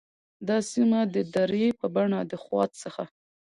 دا سیمه د درې په بڼه د خوات څخه